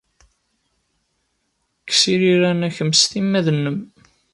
Kkes iriran-a kemm s timmad-nnem!